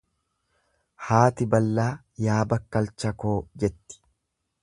Haati ballaa yaa bakkalcha koo jetti.